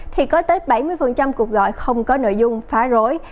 thì có tới bảy mươi cuộc gọi không có nội dung phá rối